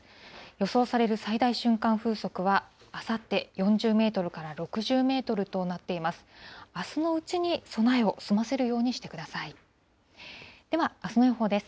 予想される最大瞬間風速は、あさって４０メートルから６０メートルとなっています。